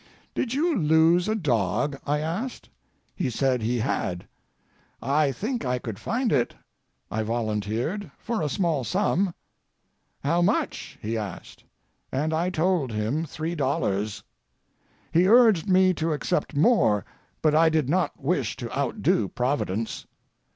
"Did you lose a dog?" I asked. He said he had. "I think I could find it," I volunteered, "for a small sum." "'How much?'" he asked. And I told him $3. He urged me to accept more, but I did not wish to outdo Providence.